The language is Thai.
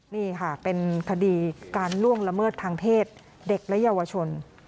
นี่ค่ะเป็นคดีการล่วงละเมิดทางเพศเด็กและเยาวชน